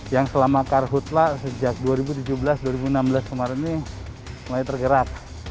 yang selama karhutlah sejak dua ribu tujuh belas dua ribu enam belas kemarin ini mulai tergerak